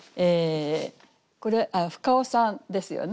これ深尾さんですよね？